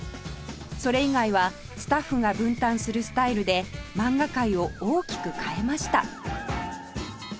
それ以外はスタッフが分担するスタイルで漫画界を大きく変えました